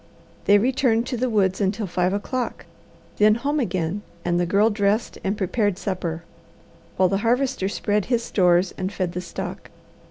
They returned to the woods until five o'clock; then home again and the Girl dressed and prepared supper, while the Harvester spread his stores and fed the stock.